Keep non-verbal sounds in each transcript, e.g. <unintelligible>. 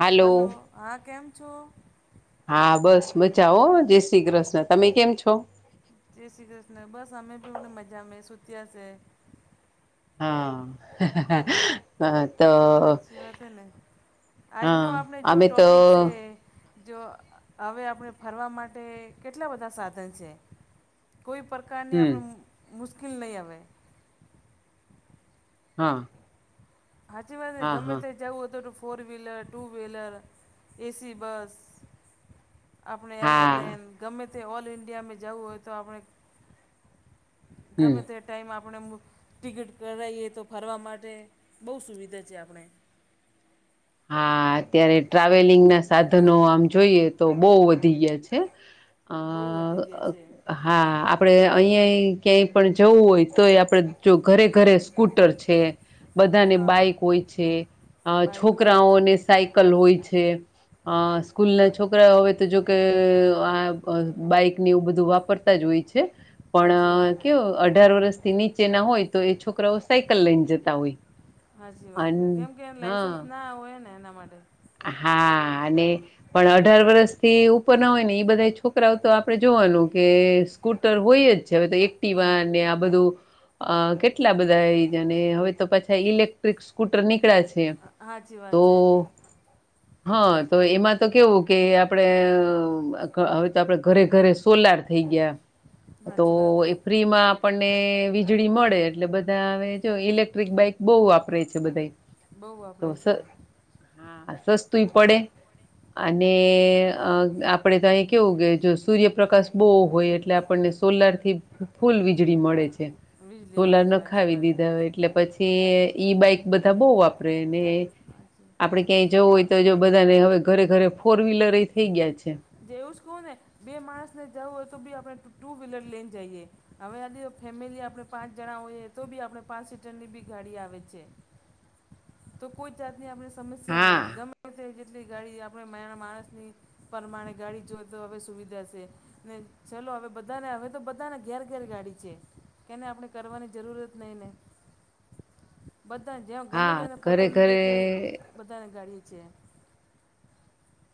હાલો hello હા કેમ છો હા બસ મજા હો જય શ્રી કૃષ્ણ તમે કેમ છો જય શ્રી કૃષ્ણ બસ અમે ભીને મજા મે સુત્યા છે. હા તો સાચી વાત હ ને આજનો હા આપણે જો અમે તો ટોપિક છે જો હવે આપણે ફરવા માટે કેટલા બધા સાધન સે. કોઈ પ્રકારની હમ આપણે મુશ્કેલ નહીં આવે. હા હાચી વાત ને હા ગમે હા તા જવું હોય તો four wheeler two wheeler AC bus આપણે હા એરોપ્લેન ગમે તે ઓલ ઈન્ડિયામાં જવું હોય તો આપણે હમ ગમે તે ટાઈમ આપણે ટિકિટ કરાવએ તો ફરવા માટે બહુ સુવિધા છે આપણે હા અત્યારે ટ્રાવેલિંગના સાધનો આમ જોઈએ તો બહુ વધી ગયા છે બહુ વધી ગયા છે આ હા આપડણે અહીં ક્યાંય પણ જવું હોય તોય આપડે જો ઘરે ઘરે સ્કૂટર છે બધાને હા બાઈક હોય છે બાઈકો છે છોકરાઓને સાયકલ હોય છે. અ સ્કૂલ ના છોકરા હવે તો જોકે આ બાઈકની આવું બધું વાપરતા જ હોય છે. સાચી પણ વાત હે કેવુ અઢાર વર્ષથી નીચેના હોય તો એ છોકરાઓ સાયકલ લઈને જતા હોય. સાચી અન વાત હે કેમ કે હા લાઇસન્સ ના હોય ને એના માટે હા અને પણ અઢાર વરસ થી ઉપર ના હોય ને એ બધા છોકરાઓ તો આપડે જોવાનું કે સ્કૂટર હોય જ છે હવે તો હા એક્ટવા ને બધું અ કેટલા બધા આવી જને હવે તો પાછા ઇલેક્ટ્રિક સ્કૂટર નીકળ્યા છે હાચી તો વાત છે હા તો એમાં તો કેવું કે આપણે હવે તો આપડ ઘરે ઘરે સોલાર થઈ ગયા તો સાચી વાત હે એ ફ્રીમાં આપણને વીજળી મળે એટલે બધા હવે જો ઇલેક્ટ્રિક બાઈક બહુ વાપરે છે બધા બઉુ તો વાપરે સ છે હા સસ્તું પડે અને આપણેે તો અહી કેવું કે જો સૂર્યપ્રકાશ બહુ હોય એટલે આપણને સોલાર થી ફૂલ વીજળી મળે છે વીજળી સોલાર મળે છે સાચી નખાવી વાત હે દીધા હોય એટલે પછી ઈ બાઈક બધા બહુ વાપરે અને સાચી આપડે ક્યાંય જવું હોય તો જો બધાને હવે ઘરે ઘરે ફોર વ્હીલર એ થઈ ગયા છે જેવુંસ કોને બે માણસને જવું હોય તો બી આપણે ટુ વ્હીલર લઈને જઈએ હવે આ દે ફેમિલી આપણે પાંચ જણા હોઈએ તો બી આપણે પાંચ સીટરની બી ગાડી આવે છે હ તો કોઈ જાત ન આપણે સમસ્યા નહીં હા ગમે તે જેટલી ગાડી આપણે માયાના માણસની પરમાણે ગાડી જો તો હવે સુવિધા છે ને ચલો હવે બધાને હવે તો બધાને ઘેર ઘેર ગાડી છે કેને આપણે કરવાની જરૂરત નહી નને <inaudible> બધાને જે્યાં ગમે હા છેાયને ઘરે પોતેને દે ઘરે કે બધાને ગાડી છે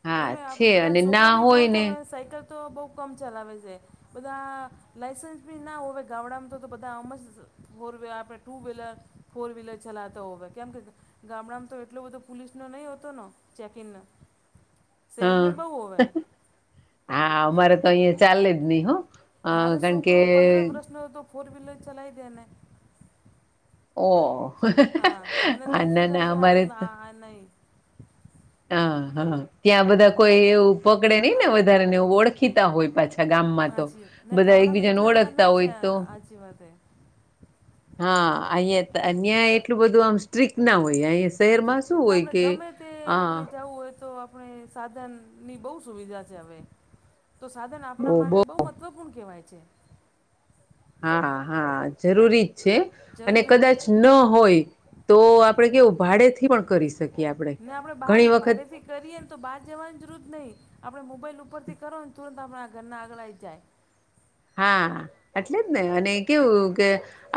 હા ગમે આપ છે અને બધાને શોખ ના હોય ને સાયકલ તો બહુ કમ ચલાવે છે બધા લાઇસન્સ બી ના હોવે ગામડામાં તો તો બધા આમ જ ફોરવે આપડણે ટુ વ્હીલર ફોર વ્હીલર ચલાતા હોય કેમ કે ગામડામાં તો એટલો બધો પોલીસ ન નહી હતો ન ચેકિન હા હા અમારે તો અહીિયાં ચાલેલે જ નહી હ મારે છોકરો પંદર વર્ષનો હતો તો ફોર વ્હીલર ચલાવી દે ને ઓ આને અમારે અને ન હ હા ત્યાં બધા કોઈ એવું પકડે નહી ને વધારે ને એવ ઓળખીતા હોય પાછા ગામમાં તો હાચી ને બધા ગામડામાં એકબીજાને એટલા બધા ના ઓળખતા હોય તો હાચી વાત હે હા અહં અ એટલું બધું આમ સ્ટ્રીક ના હોય અ હાજીી ના આપડે ગમે આપણે જવું હોય તો આપણે સાધનની બહુ સુવિધા છે હવે તો સાધન આપણા બો બો માટે બહુ મહત્ત્વપૂર્ણ કહેવાય છે હા હા જરૂરી જ છે અને જરૂરી જ છે કદાચ ન હોય. તો આપડે કેવું ભાડે થી પણ કરી શક ને આપડે બાર ભાડેથી. કરીએ ને તો બહાર જવાની જરૂર જ નહીં આપણે મોબાઈલ ઉપરથી કરો ને તુરંત આપણા ઘરના આગળ આઇ જાય હા એટલે જ ને અને કેવું કે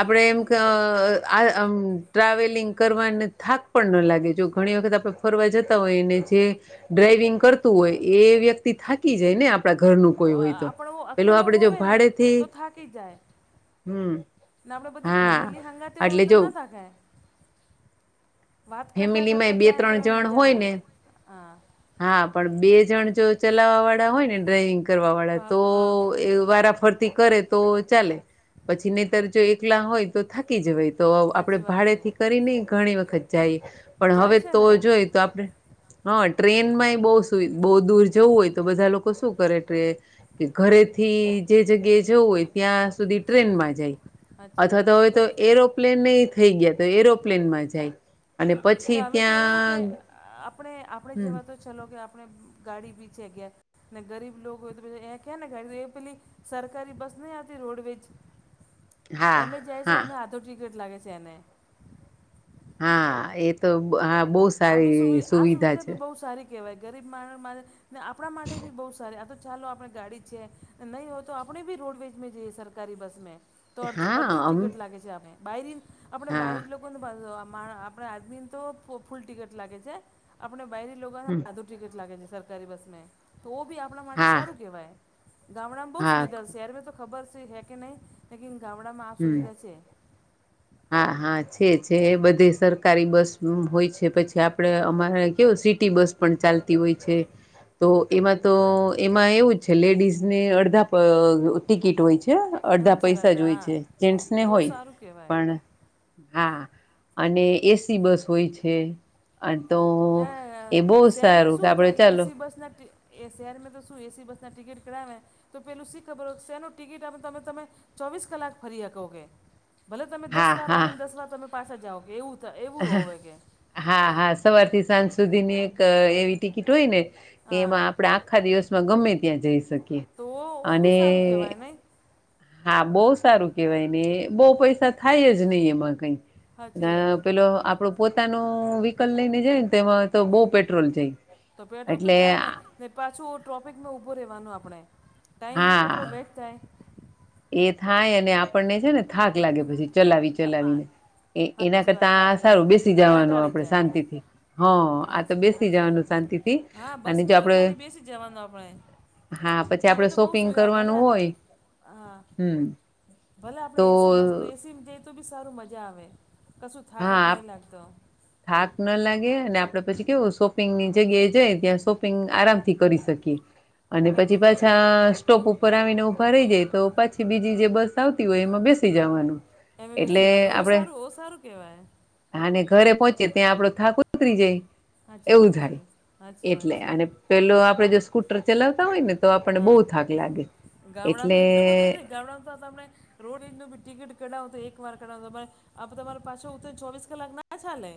આપણે એમ આ ટ્રાવેલિંગ કરવાને થાક પણ ન લાગે જો ઘણી વખત આપણે કરવા જતા હોયને જે ડ્રાઈવિંગ કરતું હોય એ વ્યક્તિ થાકી જાય ને આપ આપ ઘરનુંું કોઈ હોય તો આપણો પેલું અકેલો આપડે જો હોવે ભાડેથી તો થાકી જાય હમ ને આપડે બધી હા ફેમિલી હંગાતી હોય ને એટલે તો જો ન <unintelligible> વાત કરતાં ફેમિલીમાં કરતાં બે જાય તો ત્રણ એ જણ મજા હોય આવે ને હ હા પણ બે જણ જો ચલાવા વાળા હોય ને ડ્રાાઈવિંગ કરવા વાળા હા તો હા એ વારાફરતી કરે તો ચાલે પછી નેતર જો એકલા હોય તો થાકી જવાય તો સાચી આપડે વાત છે ભાડેથી કરીને ઘણી વખત જાય. પણ જાય હવે છે તો ને જોય તો આપણે હા. ટ્રેનમાં એ બહુ સુ બહુ દૂર જવું હોય તો બધા લોકો શું કરે ટ્રે કે ઘરેથી જે જગ્યાએ જવું હોય ત્યાં સુધી ટ્રેનમાં જાય. સાચી અથવા તો હવે વાત તો એરોપ્લેન ને ઈ ગયા તો એરોપ્લેનમાં જાય. અને પછી ને હવે તો એવું કે ત્યાં આપડે આપણે હમ જેવા તો. ચલો કે આપડે ગાડી પી છેે ગયા. ને ગરીબ લોકો હોય તો પેલી એ કે ને ગ એ પેલી સરકારી બસ નહી આવતી રોડવેજ. હ. એમે જાયશો એમ આથો ટિકટ લાગે છે એને. હા એ તો હા બહુ સારી સુવિધા છે. કેવાય ગરીબ <unintelligible> ને આપણા માટે બી બહુ સારી આ તો ચાલો આપણે ગાડી છે નહીં હોય તો આપણે બી રોડવેજ જઈએ સર કારી બસ મે. તો અડધ હા અડધું અમ ટિકિટ લાગે છે આપણે બરી આપણે હા બહરી લોકોને પાંધ આપણે આદમી. તો ફૂલ ટિકટ લાગે છે આપણે બાયરી લોક હમ ટિકિટ લાગે છે સરકારી બસ મેં તો બી આપણા માટે હા સારું કેહેવાય. ગામડામાં બહુ હા સુવિધા શહેરમાં તો ખબર છે હે કે નહીં લેકિન ગામડામાં આ હમ સુવિધા છે. હા હા છે છે એ બધે સરકારી બસનું હોય છે પછી આપડે અમારે. કેવું સિટી બસ પણ ચાલતી હોય છે. તો એમાં તો એમાં એવું છે લેડીઝ ને અડધા ટિકિટ હોય છે. અડધા પૈસા જ હોય છે જેન્ટ્સને હોય. હું કેવાય પણ હા અને એ સી બસ હોય છે. અંતો ના શહેરમાં શું થાય ચાલો એસી બસ ના ટી એ શહેરમાં તો શું એસી બસના ટિકિટ કરાવે. તો પેલું શી ખબર હો શેનો ટિકિટ આપ તમે તમે ચોવીસ કલાક ફરી હકો કે. ભલે તમે દસ હા વાર હા આવી ને દસ વાર તમે પાછા જાઓ કે એવું એવું હોવે કે. હા હા સવાર થી સાંજ સુધી ની એક એવી ટિકિટ હોય ને હા એમાં. આખા દિવસમાં ગમે ત્યાં જઈ શકે તો ઓ બી સારું કેવાય નઈ આ બોસ સારું કેવાય ને બો પૈસા થાય જ ની એમાં કઈ સાચી ને વાત પેલો આપડો. પોતાનું વ્હીકલ લઈ ને જાય ને તેમાં તો બો પેટ્રોલ જાય. તો પેટ્રોલ તો એટલે જાય ને ને પાછું ટ્રોફિકમાં ઉભો રહેવાનું આપણે. ટાઈમ બી હા કેટલો વેસ્ટ થાય એ થાય અને આપણને છે ને થાક લાગે પછી ચલાવી થાય ચલાવીને એ એના સાચી વાત કરતા આ થાક લાગી સારું જાય બેસી જવાનું કંટાળી આપડે જાય શાંતિથી. હ આ તો હાચી બેસી હાચી વાત જવાનું શાંતિથી હા અને બસ જો મેં તો આપડે. ખાલી બેસી જ જવાનું આપણે હા પછી ને હવે આપડે તો બહુ શોપિંગ સુવિધા ભલે કરવાનું હોય. હા, હમ ભલા આપડ તો એસી બસો તો એસી જઈ તો બી સારું મજા આવે. કશું થાકા હાક હા નહીં લાગતો. થાક ન લાગે, અને આપણેે પછી કેવું શોપિંગની જગ્યાએ જાય ત્યાં શોપિંગ આરામથી કરી શકીએ. અને પછી સાચી વાત છે પાછા સ્ટોપ ઉપર આવીને ઉભા રહી જાય તો, પાછી બીજી જે બસ સ આવતી હોય એમાં બેસી જવાનું, એટલે આપડે કેહેવાય. હા અને ઘરે પહોંચે ત્યાં આપડો થાક ઉતરી જાય. સાચી એવું વાત છે થાય, સાચી વાત એટલે, છે અને પેલો આપડે જો કૂટર ચલાવતા હોય ને તો આપણને હા બહુ થાક લાગે. એટલે ગામડામાં એટલું બધું નહી, ગામડામાં તો તમે રોડબીક નુ બી ટિકિટ કઢાવો તો એક વાર કઢાવ તો તમે આપ તમારો પાછો ઉતર ચોવીસ કલાક ના પાછા લે.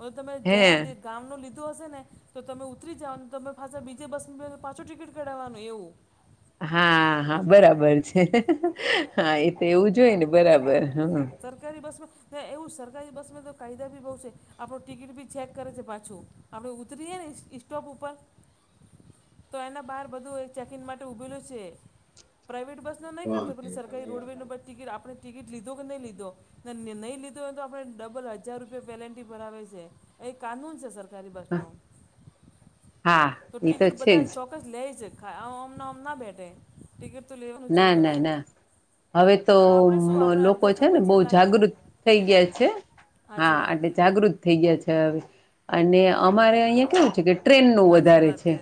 હવે તમે જ્યાં હે દી ગામનુ લીધુ હશેને, તો તમે ઉતરી જઓ તમે પાછા બીજે બસ બે પા ચુ ટિકિટ કાઢાવાનું એવું. હા હા બરાબર છે, હા એ તો એવું જોય ને બરાબર. હમ્મ સરકારી બસમાં એવું, સરકારી બસમાં તો કાયદા બી બહુ છે, આપણું ટિકિટ બી ચેક કરે છે પાછું. આપણે ઉતરીએ ને ઇસ્ટોપ ઉપર. <inaudible> તો એના બહાર બધું એ ચેકિન માટે ઉભેલુ છે, પ્રાઇવેટ બસ નહી કરતો, પેલી સરકારી રોડવે ન ઉપ ટિકિટ આપણે ટિકિટ લીધો. તો નહી લીધો, ને ન નહી લીધો તો આપણે ડબલ હજાર રૂપિયા પેનલ્ટી ભરાવે છે. એ કાનૂન છે સરકારી બસ હ નો, હા તો એ ટિકિટ છે બધા જ ચો ક્કસ લે છે, ખા ઓમને ઓમ ના બેટે. ટિકટ તો લ્યો ના ના ના, હવે તો આપણે શું આપણે લોકોજ અડધાસો છે ને બહુ પૈસા લાગે જાગૃત થઈ ગયા છ, હા સાચી વાત એટલે છે જાગ જાગૃત થઈ ગયા છે હવે, અને અમારે અહિયાં કેવું છે કે ટ્રેન નું સાચી વધારે વાત છે,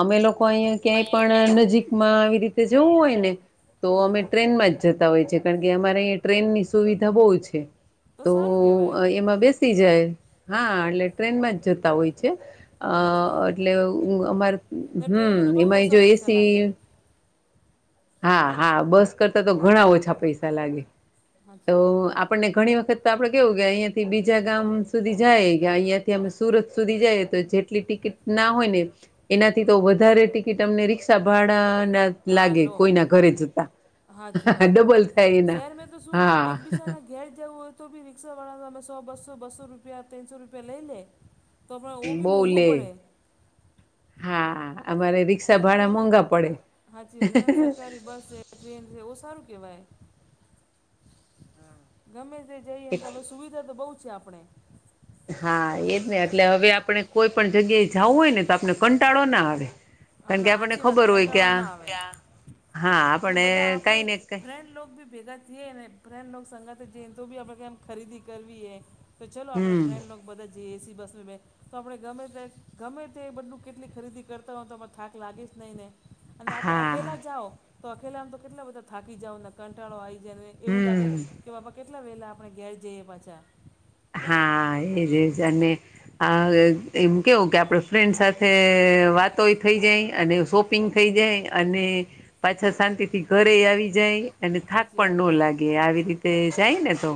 અમે લોકો અહીં ક્યાંય અહીંયા પણ ક્યાંય નજીકમાં આવી રીતે જવું હોય. ને તો હા અમે ટ્રેનમાં જતા હોય છે, કારણ કે અમારે અહીંયા ટ્રેનની સુવિધા બહુ છે. તો સારું કહેવાય એમાં બેસી જાય, હા એટલે ટ્રેનમાંજ જતા હોય છે. અ સાચી વાત અટલે ઉ અમાર ને હમ્મ, ટ્રેનમાં તો બહુ એમાંય ઓછા જો પૈસા એસી. લાગે હા હા, બસ કરતા તો ઘણા ઓછા પૈસા લાગે, તો સાચી વાત હે આપણને ઘણી વખત તો આપડે કેવું કે, અહીંયાથી બીજા ગામ સુધી જાય, કે અહીંયાથી અમે સુરત સુધી જઈએ, તો જેટલી ટી કિટ ના હોયને, એનાથી તો વધારે ટિકિટ અમને રિક્ષા ભાડા ના હા લાગે. લો કોઈના ઘરે જતા, સાચી વાત હે ડબલ થાય એના, શહેરમાં તો શું હા. એકબીજાના ઘેર જવુ હોય તો બી રિક્ષા વાળાને અમે સો બસો બસો રૂપિયા તીનસો રૂપિયા લઈ લે. તો આપણે ઓ બી બહુ મોંઘો લે, પડે હા અમારે રિક્ષા એનાથી ભાડા આપણે મોંઘા પડે. સાચી વાત એને સરકારી બસ ટ્રેન રેવું સારું કેહેવાય. ગમે તે જઈએને તો હવે સુવિધા તો બહુ છે આપડે. હા એજને એટલે હવે આપણે કોઈ પણ જગ્યાએ જાવું હોયને, તો આપણે કંટાળો ના આવે. કારણ કે અમા આપણને આચી વાત હે ખબર હોય કે કંટાળો આ ના આવે. હા રે આપણે બધા આપડે કઈ ને કઈ ફ્રેન્ડ લોગબી ભેગા થએને, પ્રેમ લોગ સંગાતે જોઈએ તો બી આપડે એમ ખરીદી કરવી એ તો ચાલો આપડે હમ ફ્રેન્ડ લોગ બધા જે એસી બસની બે, તો આપડે ગમે તે ગમે તે બધું કેટલી ખરીદી કરતા હોય તો બ થાક લાગીશ નહીં ને અને આપડે હા અકેલા જાઓ તો અખેલા આમ તો કેટલા બધા થાકી જાવ ને કંટાળો આવી જાય ને એવું લાગે. હમ તો આપા કેટલા વેલા આપણે ઘેર જઈએ પાછા. હા એજ એજ અને હ એમ કેવું કે, આપડે ફ્રેન્ડ સાથે વાતોય થઈ જાય અને ફો પિંક થઈ જાય અને પાછા શાંતિથી ઘરે આવી જાય અને થાક સાચી પણ વાત હે ન લાગે આવી રીતે જાય ને તો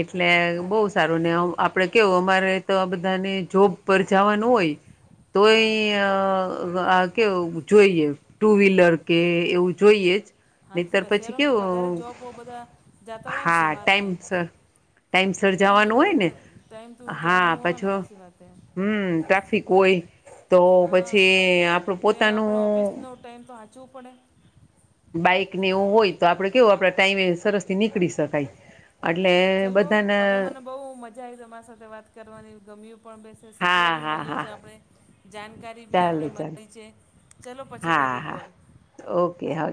એટલે હા બઉ તો ને આમ આપડે કેવું અમારે તો આ બધાને જોબ પર જવાનું હોય હા તોયે કે અ આ કેવું જોઈએ ટુ વ્હીલર કે એવું જોઈએ જ. નહીતર સાચી વાત પછી શહેરોમાં તો વધારે કેવું જોબ બધા જતા હોય ને હા ટાઈમ સવારમાં સર. ટાઈમ સર ટાઈમ તો થઈ જ જાય ટાઈમ તો જવાનું હોય ને પાછો આચી વાત હે. હમ ટ્રાફિક હોય તો હા પછી આપણું પોતાનું તો ટાઈમ તો આજ ચૂપણે બાઈક ને એવું હોય તો આપડે કેવું આપડા ટાઈમે સરસ થી નીકળી શકાય. અટલે ચલો હવે મને બઉ મજા આવી તમારી સાથે વાત કરવાની ગમ્યું. પણ બેસે શીખવા હા બી હા મલ્યું હા છે આપણે. જાણકારી બી ચાલે આપણે ચાલે મળી છે ચલો પછી હા કરીએ હા કોલ. ઓકે હા